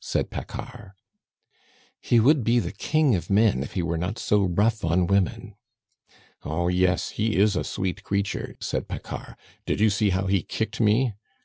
said Paccard. "He would be the king of men if he were not so rough on women." "Oh, yes! He is a sweet creature," said Paccard. "Did you see how he kicked me?